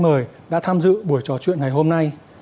mời đã tham dự buổi trò chuyện ngày hôm nay